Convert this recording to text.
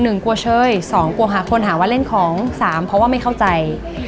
กลัวเชยสองกลัวหาคนหาว่าเล่นของสามเพราะว่าไม่เข้าใจ